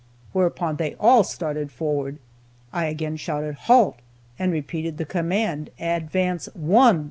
Whereupon they all started forward. I again shouted "Halt!" and repeated the command, "Advance, One!"